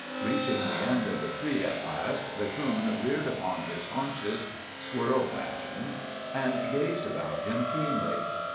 Reaching the end of the tree at last the coon reared upon his haunches, squirrel fashion, and gazed about him keenly.